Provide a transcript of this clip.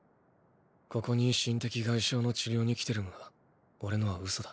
ここに心的外傷の治療に来てるがオレのは嘘だ。